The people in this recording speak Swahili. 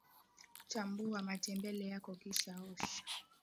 chambua matembele yako kisha osha